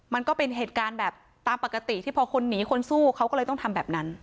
มันก็เป็นเหตุการณ์แบบตามปกติที่พอคนหนีคนสู้เขาก็เลยต้องทำแบบนั้น